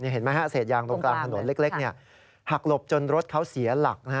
เห็นมั้ยฮะเศษยางตรงกลางถนนเล็กเนี่ย